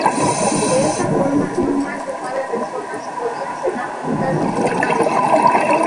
De esta forma, no más de nueve personas podían cenar juntas en una mesa.